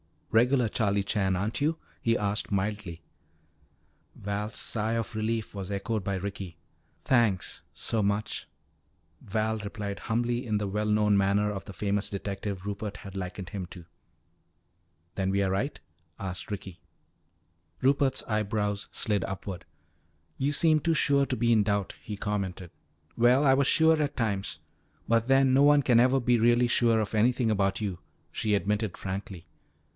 "Regular Charlie Chan, aren't you?" he asked mildly. Val's sigh of relief was echoed by Ricky. "Thanks so much," Val replied humbly in the well known manner of the famous detective Rupert had likened him to. "Then we are right?" asked Ricky. Rupert's eyebrows slid upward. "You seemed too sure to be in doubt," he commented. "Well, I was sure at times. But then no one can ever be really sure of anything about you," she admitted frankly.